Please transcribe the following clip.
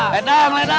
ledang ledang ledang